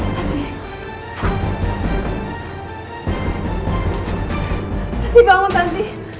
tanti bangun tanti